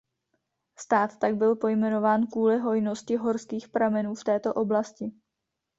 Stát tak byl pojmenován kvůli hojnosti horkých pramenů v této oblasti.